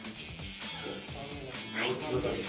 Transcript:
はい。